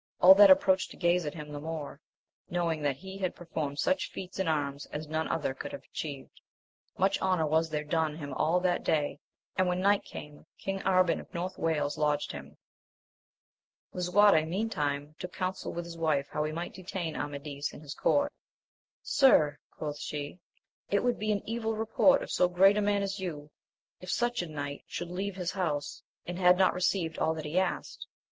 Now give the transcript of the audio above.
All then approached to gaze at him the more, knowing that he had per formed such feats in arms as none other could have atchieved ; much honour was there done him all that day, and when night came King Arban of North Wales lodged him. Lisuarte meantime took counsel with his wife how he might detain Amadis in his court. Sir, quoth she, it would be an evil report of so great a man as you, if such a knight should leave hisi house, and had not received all that he asked.